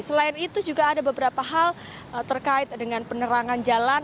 selain itu juga ada beberapa hal terkait dengan penerangan jalan